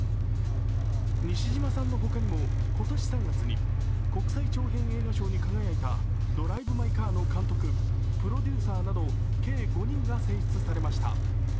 西島さんの他にも今年３月に国際長編映画賞に輝いた「ドライブ・マイ・カー」の監督、プロデューサーなど計５人が選出されました。